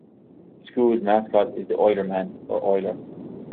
The school's mascot is the "Oiler Man" or "Oiler".